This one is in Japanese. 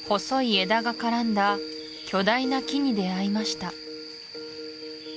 細い枝が絡んだ巨大な木に出会いました